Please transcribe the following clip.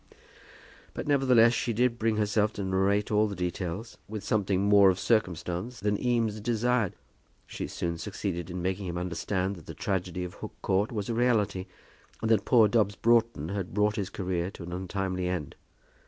But nevertheless she did bring herself to narrate all the details with something more of circumstance than Eames desired. She soon succeeded in making him understand that the tragedy of Hook Court was a reality, and that poor Dobbs Broughton had brought his career to an untimely end.